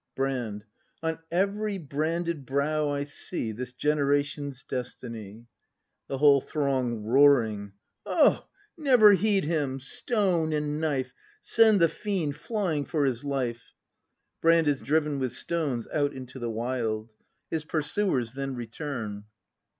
Brand. On every branded brow I see This generation's destiny. The Whole Throng, [Roaring.] Hoo, never heed him! Stone and knife! Send the fiend flying for his life! [Brand is driven with stones out into the wild. His fursuers then return.